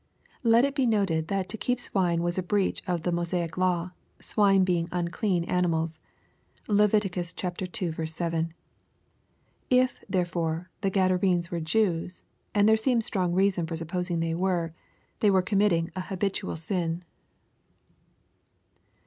] Let it be noted that to keep swine was a breach of the Mosaic law, swine being unclean ani mals. (Lev. ii. 7.) If, therefore, the Gadarenes were Jews, and there seems strong reason for supposing they were, they were committing an habitual sin.